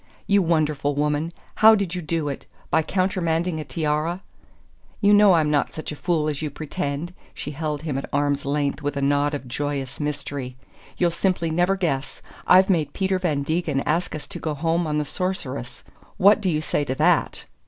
"You wonderful woman how did you do it? By countermanding a tiara?" "You know I'm not such a fool as you pretend!" She held him at arm's length with a nod of joyous mystery. "You'll simply never guess! I've made Peter Van Degen ask us to go home on the Sorceress. What. do you say to that?"